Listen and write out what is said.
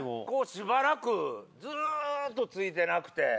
しばらくずっとツイてなくて。